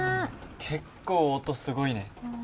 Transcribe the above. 結構音すごいね。